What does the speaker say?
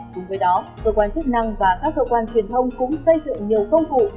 cùng với đó cơ quan chức năng và các cơ quan truyền thông cũng xây dựng nhiều công cụ